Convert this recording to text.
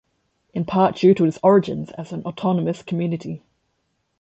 In part due to its origins as an autonomous community.